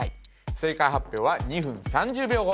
正解発表は２分３０秒後